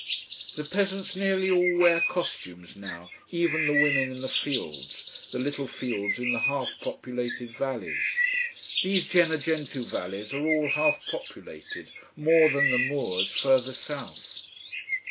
The peasants nearly all wear costumes now, even the women in the fields: the little fields in the half populated valleys. These Gennargentu valleys are all half populated, more than the moors further south.